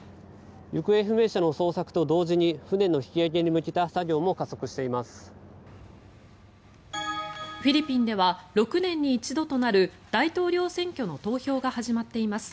行方不明者の捜索と同時に船の引き揚げに向けた作業もフィリピンでは６年に一度となる大統領選挙の投票が始まっています。